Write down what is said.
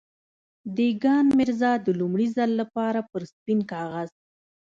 دېګان ميرزا د لومړي ځل لپاره پر سپين کاغذ.